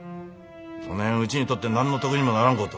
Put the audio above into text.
そねんうちにとって何の得にもならんこと。